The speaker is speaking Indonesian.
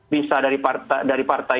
bisa dari partai